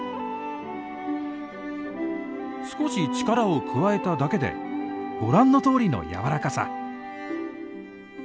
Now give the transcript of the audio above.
少し力を加えただけでご覧のとおりのやわらかさ。